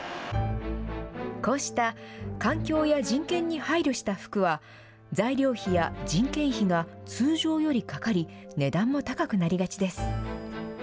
こうした環境や人権に配慮した服は材料費や人件費が通常よりかかり値段も高くなりがちです。